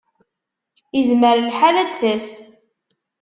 Izmer lḥal ad d-tas.